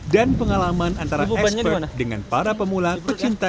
dan pengalaman antara ekspert dengan para pemula pecinta